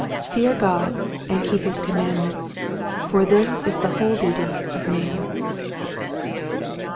*' Fear God and keep his commandments^ For this is the whole duty of man."